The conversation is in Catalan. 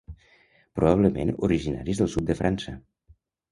Probablement originaris del sud de França.